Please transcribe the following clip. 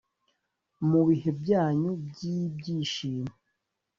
mu bihe byanyu by ibyishimo